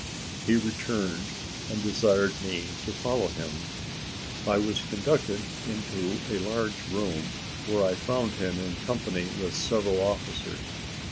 He returned, and desired me to follow him. I was conducted into a large room, where I found him in company with several officers.